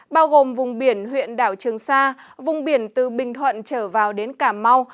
bao gồm vùng biển huyện đảo trường sa vùng biển từ bình thuận trở vào đến cà mau